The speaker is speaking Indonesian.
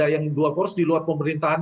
yang dua poros di luar pemerintahan